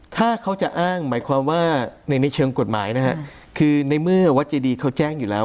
ถ้าเขาจะอ้างหมายความว่าในเชิงกฎหมายนะฮะคือในเมื่อวัดเจดีเขาแจ้งอยู่แล้ว